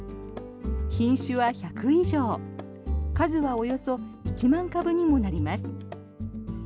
品種は１００以上数はおよそ１万株にもなります。